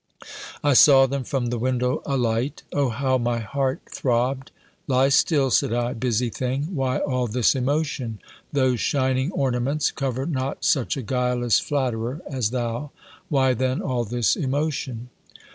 I saw them from the window alight. O how my heart throbbed! "Lie still," said I, "busy thing! why all this emotion? Those shining ornaments cover not such a guileless flatterer as thou. Why then all this emotion?"